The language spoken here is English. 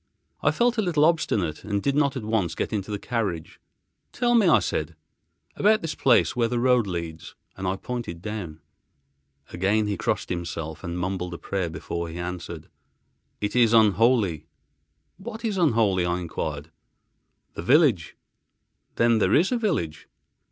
I felt a little obstinate and did not at once get into the carriage. "Tell me," I said, "about this place where the road leads," and I pointed down. Again he crossed himself and mumbled a prayer, before he answered, "It is unholy." "What is unholy?" I enquired. "The village." "Then there is a village?"